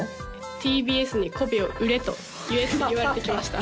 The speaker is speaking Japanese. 「ＴＢＳにこびを売れ」と言えって言われてきました